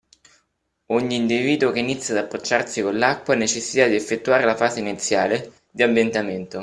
ogni individuo che inizia ad approcciarsi con l’acqua ha necessità di effettuare la fase iniziale, di “ambientamento”.